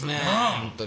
本当に。